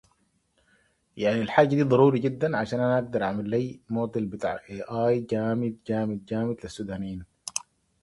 Like most Motown albums of the sixties, this album was produced quickly.